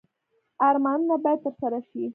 ارمانونه باید ترسره شي